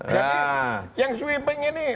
jadi yang sweeping ini